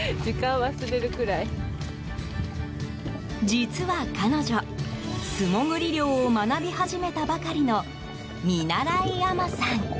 実は彼女、素潜り漁を学び始めたばかりの見習い海女さん。